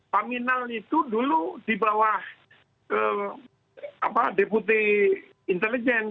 paminal itu dulu dibawah deputi intelijen